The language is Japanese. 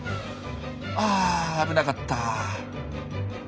あ危なかった。